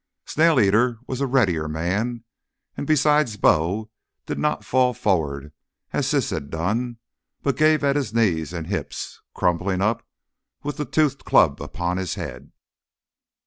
Snail eater was a readier man, and besides Bo did not fall forward as Siss had done, but gave at his knees and hips, crumpling up with the toothed club upon his head.